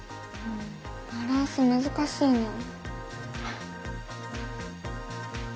んバランス難しいなあ。